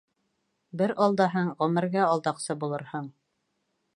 Бер алдаһаң, ғүмергә алдаҡсы булырһың.